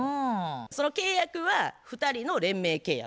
その契約は２人の連名契約。